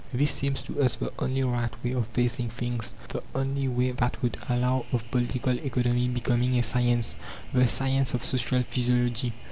This seems to us the only right way of facing things. The only way that would allow of Political Economy becoming a science the Science of Social Physiology.